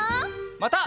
また。